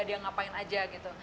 dia ngapain aja gitu